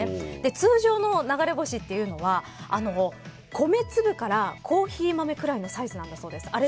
通常の流れ星というのは米粒からコーヒー豆くらいのサイズなんだそうです。